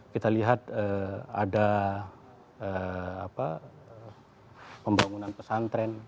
kita lihat ada pembangunan pesantren